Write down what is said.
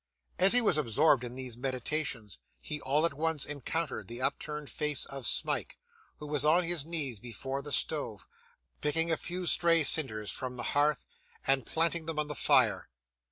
As he was absorbed in these meditations, he all at once encountered the upturned face of Smike, who was on his knees before the stove, picking a few stray cinders from the hearth and planting them on the fire.